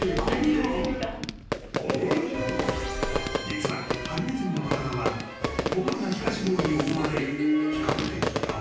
［実はハリネズミの体は豊富な皮下脂肪に覆われ比較的軟らかい］